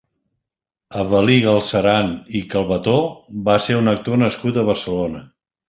Avel·lí Galceran i Calbetó va ser un actor nascut a Barcelona.